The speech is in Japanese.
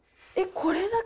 これだけ？